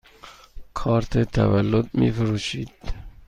کارت تولد می فروشید؟